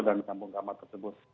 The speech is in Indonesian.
dan kampung kamat tersebut